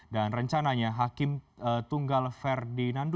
dan rencananya hakim tunggal ferdinandu